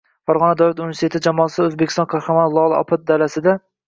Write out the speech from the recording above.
Farg‘ona davlat universiteti jamoasi – O‘zbekiston Qahramoni Lola opa dalasida